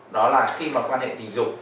đó là khi mà quan hệ tình dục